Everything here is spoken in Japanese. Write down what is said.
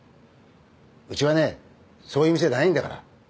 うちはねそういう店じゃないんだから。